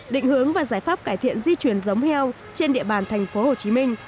định hướng và giải pháp cải thiện di chuyển giống heo trên địa bàn thành phố hồ chí minh